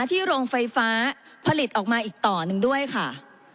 โรงไฟฟ้าผลิตออกมาอีกต่อหนึ่งด้วยค่ะ